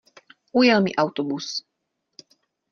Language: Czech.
Ujel mi autobus.